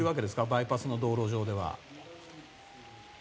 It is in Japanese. バイパスの道路上では。